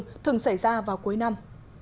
điều này sẽ xảy ra vào cuối năm